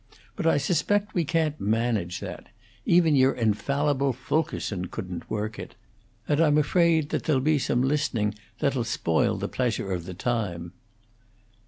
But I suspect we can't manage that even your infallible Fulkerson couldn't work it and I'm afraid that there'll be some listening that'll spoil the pleasure of the time."